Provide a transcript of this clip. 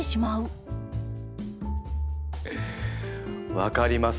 分かります。